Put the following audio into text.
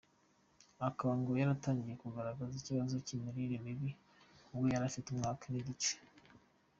Akaba ngo yaratangiye kugaragaza ikibazo cy’imirire mibi ubwo yari afite umwaka n’igice.